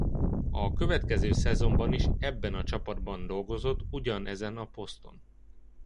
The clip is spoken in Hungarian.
A következő szezonban is ebben a csapatban dolgozott ugyan ezen a poszton.